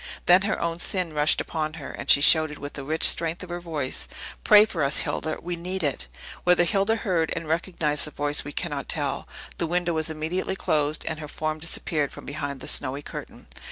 Then her own sin rushed upon her, and she shouted, with the rich strength of her voice, "Pray for us, Hilda; we need it!" Whether Hilda heard and recognized the voice we cannot tell. The window was immediately closed, and her form disappeared from behind the snowy curtain.